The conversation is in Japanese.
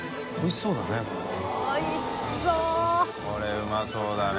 海うまそうだね。